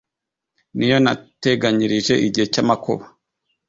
ni yo nateganyirije igihe cy'amakuba